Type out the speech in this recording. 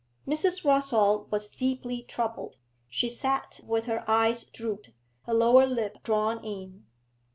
Mrs. Rossall was deeply troubled. She sat with her eyes drooped, her lower lip drawn in.